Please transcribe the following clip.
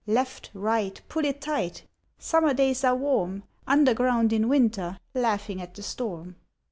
Left, right, pull it tight; Summer days are warm; Underground in winter, Laughing at the storm!'